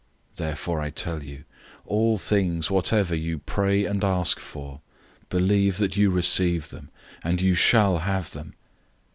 011:024 Therefore I tell you, all things whatever you pray and ask for, believe that you have received them, and you shall have them.